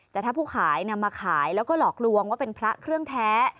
แต่ถ้าผู้ขายนำมาขายแล้วก็หลอกลวงว่าเป็นพระเครื่องแท้